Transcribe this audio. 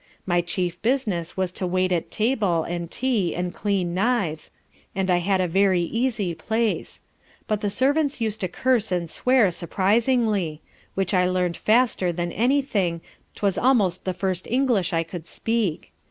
My chief business was to wait at table, and tea, and clean knives, and I had a very easy place; but the servants us'd to curse and swear surprizingly; which I learnt faster than any thing, 'twas almost the first English I could speak.